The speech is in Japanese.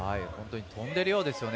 飛んでいるようですよね。